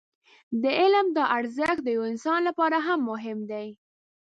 د علم دا ارزښت د يوه انسان لپاره هم مهم دی.